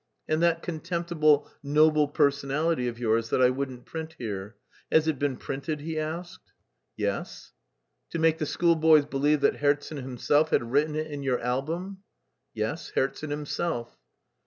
"And that contemptible 'Noble Personality' of yours, that I wouldn't print here. Has it been printed?" he asked. "Yes." "To make the schoolboys believe that Herzen himself had written it in your album?" "Yes, Herzen himself."